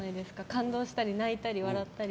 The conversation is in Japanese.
感動したり泣いたり笑ったり。